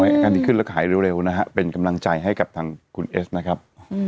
อาการดีขึ้นแล้วหายเร็วนะฮะเป็นกำลังใจให้กับทางคุณเอสนะครับ